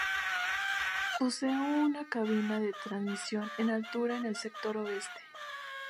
Posee una cabina de transmisión en altura en el sector Oeste.